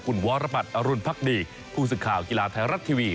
คุณวรรมัสอรุณภักดีภูมิศึกข่าวกีฬาไทยรัฐทีวี